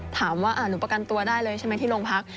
ถามว่าหนูประกันตัวได้เลยใช่ไหมที่โรงพัก